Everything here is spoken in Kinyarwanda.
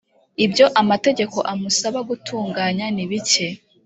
ibyo amategeko amusaba gutunganya nibike